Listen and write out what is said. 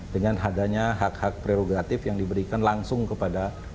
dengan adanya hak hak prerogatif yang diberikan langsung kepada